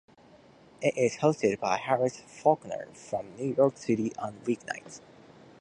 It is hosted by Harris Faulkner from New York City on weeknights.